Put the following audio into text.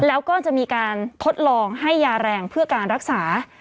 แล้วก็จะมีการทดลองให้ยาแรงเพื่อการรักษา